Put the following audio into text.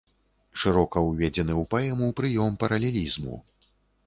Шырока ўведзены ў паэму прыём паралелізму.